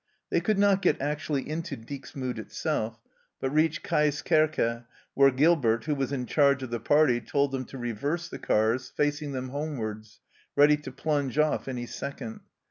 They could not get actually into Dixmude itself, but reached Caeskerke, where Gilbert, who was in charge of the party, told them to reverse the cars, facing them homewards, ready to plunge off any second.